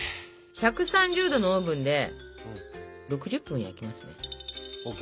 １３０℃のオーブンで６０分焼きますね。ＯＫ！